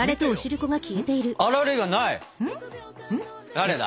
誰だ？